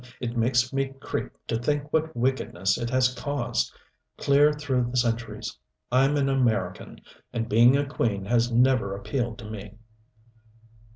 "It makes me creep to think what wickedness it has caused clear through the centuries. I'm an American and being a queen has never appealed to me."